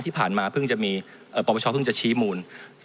เดือนมีนาที่ผ่านมาพบชเพิ่งจะชี้มูล